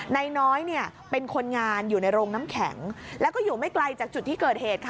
นายน้อยเนี่ยเป็นคนงานอยู่ในโรงน้ำแข็งแล้วก็อยู่ไม่ไกลจากจุดที่เกิดเหตุค่ะ